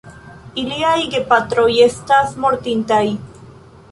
Iliaj gepatroj estas mortintaj.